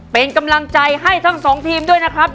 เป็นกำลังใจให้ทั้งสองทีมด้วยนะครับ